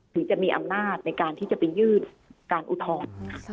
หรือจะมีอำนาจในการที่จะไปยืดการอุทธรณ์